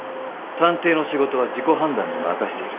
探偵の仕事は自己判断に任している。